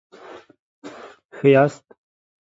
ښه یاست؟